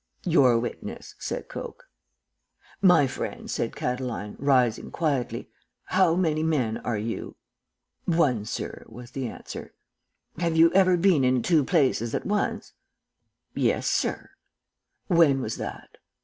"'Your witness,' said Coke. "'My friend,' said Catiline, rising quietly. 'How many men are you?' "'One, sir,' was the answer. "'Have you ever been in two places at once?' "'Yes, sir.' "'When was that?'